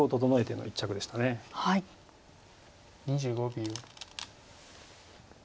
２５秒。